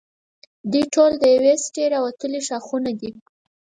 دوی ټول د یوې سټې راوتلي ښاخونه دي.